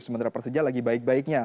sementara persija lagi baik baiknya